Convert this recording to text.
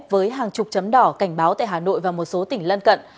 với hàng chục chấm đỏ cảnh báo tại hà nội và một số tỉnh lân cận